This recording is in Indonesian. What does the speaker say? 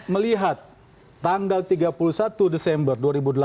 melihat tanggal tiga puluh satu desember dua ribu delapan belas